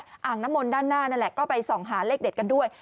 อ่างน้ำมนต์ด้านหน้านั่นแหละก็ไปส่องหาเลขเด็ดกันด้วย